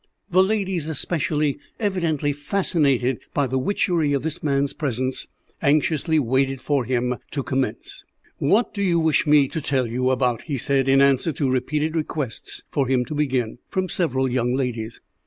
The ladies especially, evidently fascinated by the witchery of this man's presence, anxiously waited for him to commence. "What do you wish me to tell you about?" he said in answer to repeated requests for him to begin, from several young ladies.